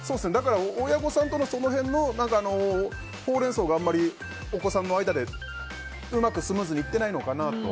親御さんとのほうれんそうがあまりお子さんの間でうまくスムーズにいってないのかなと。